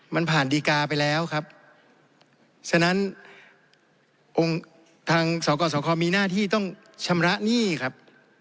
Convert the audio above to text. มันผ่านดีการ์ไปแล้วครับฉะนั้นทางสกสคมีหน้าที่ต้องชำระหนี้ครับ